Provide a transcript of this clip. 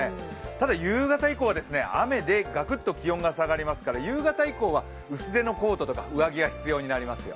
ただ夕方以降は、雨でがくっと気温が下がりますから夕方以降は薄手のコートとか上着が必要になりますよ。